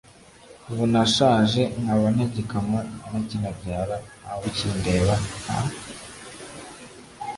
ubu nashaje nkaba ntagikamwa ntakinabyara, ntawukindeba, nta